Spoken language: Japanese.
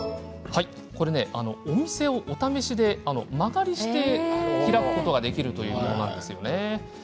お店をお試しで間借りして開くことができるものなんですよね。